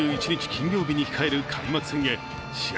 金曜日に控える開幕戦へ試合